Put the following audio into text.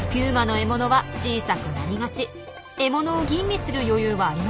獲物を吟味する余裕はありません。